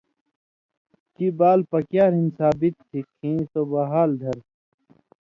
گی بال پَکیۡیار ہِن ثابت تھی کھیں سو بحال دھر۔